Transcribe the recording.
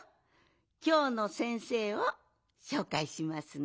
きょうの先生をしょうかいしますね。